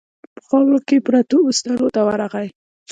په خاورو کې پرتو بسترو ته ورغی.